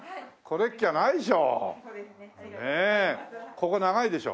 ここ長いでしょ？